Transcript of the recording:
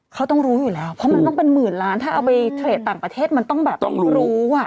เพราะมันต้องเป็นหมื่นล้านถ้าเอาไปเทรดต่างประเทศมันต้องรู้